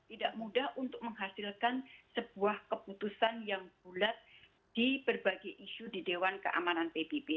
tidak mudah untuk menghasilkan sebuah keputusan yang bulat di berbagai isu di dewan keamanan pbb